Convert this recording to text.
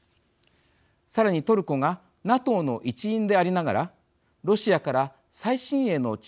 さらにトルコがＮＡＴＯの一員でありながらロシアから最新鋭の地